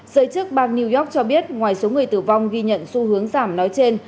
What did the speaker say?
giới chức bang new york cho biết ngoài số người tử vong ghi nhận xu hướng giảm nói trên